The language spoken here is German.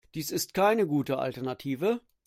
Dies ist keine gute Alternative.